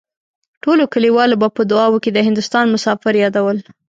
ټولو کليوالو به په دعاوو کې د هندوستان مسافر يادول.